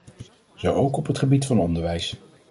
Zo ook op het gebied van het onderwijs.